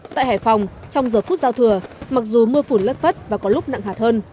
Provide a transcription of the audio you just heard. tại hải phòng trong giờ phút giao thừa mặc dù mưa phủn lất phất và có lúc nặng hạt hơn